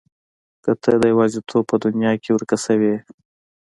که ته د يوازيتوب په دنيا کې ورکه شوې يې.